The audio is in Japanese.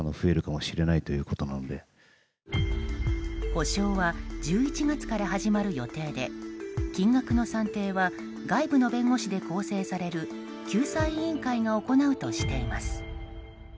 補償は１１月から始まる予定で金額の算定は外部の弁護士で構成される救済委員会が行うとしています。